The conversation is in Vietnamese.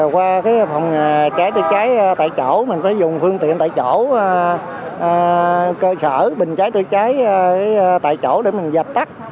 qua phòng cháy chữa cháy tại chỗ mình có dùng phương tiện tại chỗ cơ sở bình cháy chữa cháy tại chỗ để mình dập tắt